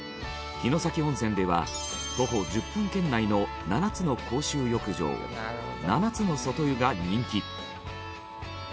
城崎温泉では徒歩１０分圏内の７つの公衆浴場「７つの外湯」が人気。